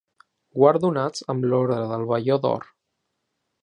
Guardonats amb l'Ordre del Velló d'Or.